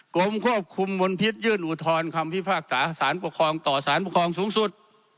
กรมควบคุมมลพิษยื่นอุทธรณ์คำพิพากษาสารปกครองต่อสารปกครองสูงสุด